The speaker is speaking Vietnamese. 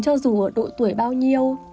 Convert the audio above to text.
cho dù ở độ tuổi bao nhiêu